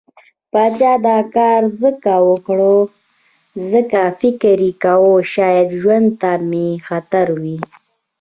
پاچا دا کار ځکه وکړ، ځکه فکر يې کوه شايد ژوند ته مې خطر وي.